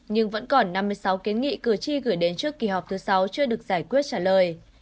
nhưng vẫn còn năm mươi sáu kiến nghị cử tri gửi đến trước kỳ họp thứ sáu chưa được giải quyết trả lời